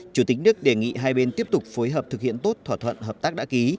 chủ tịch nước đề nghị hai bên tiếp tục phối hợp thực hiện tốt thỏa thuận hợp tác đã ký